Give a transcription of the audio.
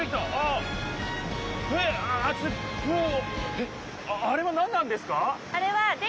えっあれはなんなんですか？